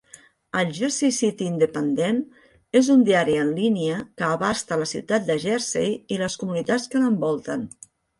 El "Jersey City Independent" és un diari en línia que abasta la ciutat de Jersey i les comunitats que l'envolten.